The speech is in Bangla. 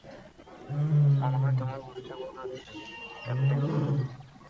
মনে হয় তোমার বুঝতে ভুল হচ্ছে, ক্যাপ্টেন।